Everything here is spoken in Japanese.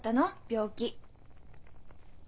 病気。